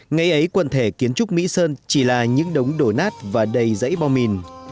ngay ấy quần thể kiến trúc mỹ sơn chỉ là những đống đổ nát và đầy dãy bom mìn